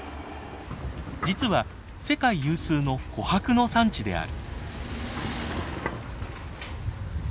実は世界有数の琥珀の産地である。